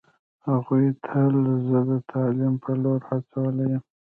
هغوی تل زه د تعلیم په لور هڅولی یم